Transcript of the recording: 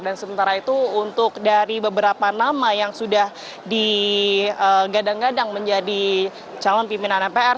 dan sementara itu untuk dari beberapa nama yang sudah digadang gadang menjadi calon pimpinan mpr